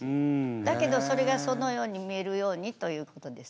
だけどそれがそのように見えるようにということです。